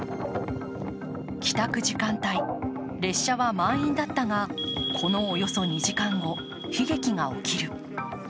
帰宅時間帯、列車は満員だったがこのおよそ２時間後、悲劇が起きる。